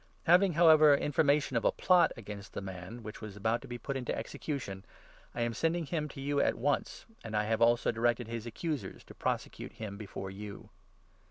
Having, however, information of a plot against the 30 man, which was about to be put into execution, I am sending him to you at once, and I have also directed his accusers to prosecute him before you.'